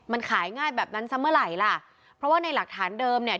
มันขายง่ายแบบนั้นซะเมื่อไหร่ล่ะเพราะว่าในหลักฐานเดิมเนี่ย